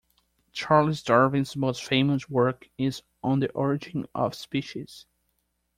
Charles Darwin's most famous work is On the Origin of Species.